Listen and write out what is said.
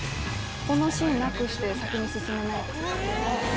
このシーンなくして先に進めないです。